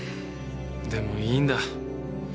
でもいいんだ。